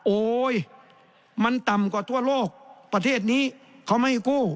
โอ๊ยมันต่ำกว่าทั่วโลกประเทศนี้เขาไม่ให้กู้